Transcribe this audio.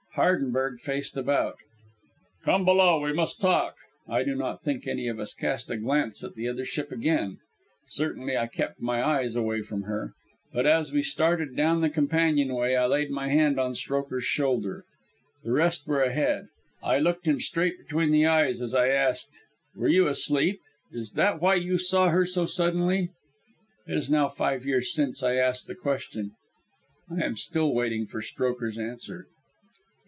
Hardenberg faced about. "Come below. We must talk." I do not think any of us cast a glance at the Other Ship again. Certainly I kept my eyes away from her. But as we started down the companion way I laid my hand on Strokher's shoulder. The rest were ahead. I looked him straight between the eyes as I asked: "Were you asleep? Is that why you saw her so suddenly?" It is now five years since I asked the question. I am still waiting for Strokher's answer.